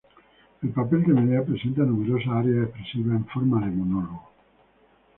El papel de Medea presenta numerosas arias expresivas en forma de monólogo.